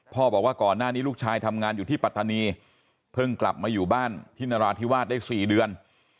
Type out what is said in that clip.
บอกว่าก่อนหน้านี้ลูกชายทำงานอยู่ที่ปัตตานีเพิ่งกลับมาอยู่บ้านที่นราธิวาสได้๔เดือน